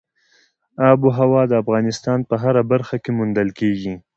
آب وهوا د افغانستان په هره برخه کې موندل کېږي.